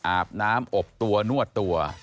อาบน้ำอบตัวนวดตัว